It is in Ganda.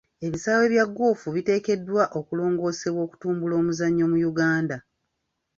Ebisaawe bya ggoofu biteekeddwa okulongoosebwa okutumbula omuzannyo mu Uganda.